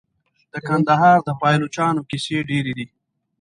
د کندهار د پایلوچانو کیسې ډیرې دي.